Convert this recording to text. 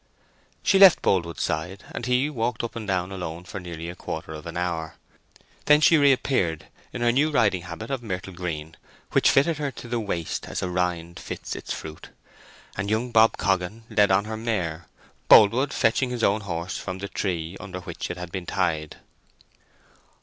She left Boldwood's side, and he walked up and down alone for nearly a quarter of an hour. Then she reappeared in her new riding habit of myrtle green, which fitted her to the waist as a rind fits its fruit; and young Bob Coggan led on her mare, Boldwood fetching his own horse from the tree under which it had been tied.